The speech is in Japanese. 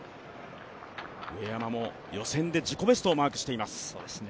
上山も予選で自己ベストをマークしています。